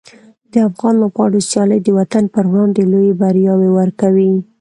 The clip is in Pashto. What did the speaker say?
د افغان لوبغاړو سیالۍ د وطن پر وړاندې لویې بریاوې ورکوي.